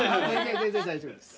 全然大丈夫です。